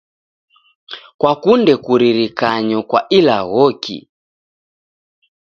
Kwakunde kuririkanyo kwa ilaghoki?